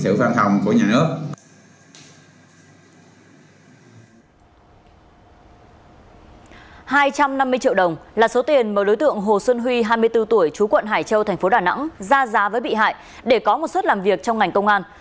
điều tra viên gò khao lợi và điều đã thử nhận vào đêm ngày ba mươi một tháng một cả hai cùng với ba đối tượng hồ xuân huy hai mươi bốn tuổi chú quận hải châu tp đà nẵng ra giá với bị hại để có một suất làm việc trong ngành công an